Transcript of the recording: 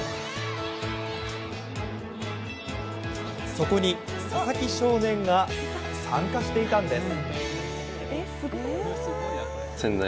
そこに、佐々木少年が参加していたんです。